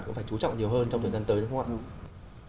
cũng phải chú trọng nhiều hơn trong thời gian tới đúng không ạ